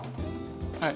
はい。